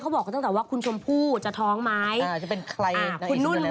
เค้าบอกจากแต่ว่าคุณชมพู่จะท้องไหม